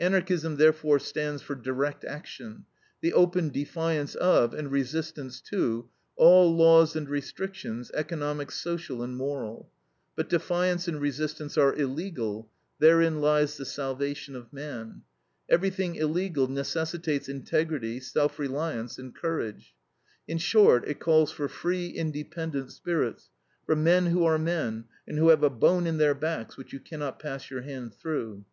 Anarchism therefore stands for direct action, the open defiance of, and resistance to, all laws and restrictions, economic, social, and moral. But defiance and resistance are illegal. Therein lies the salvation of man. Everything illegal necessitates integrity, self reliance, and courage. In short, it calls for free, independent spirits, for "men who are men, and who have a bone in their backs which you cannot pass your hand through."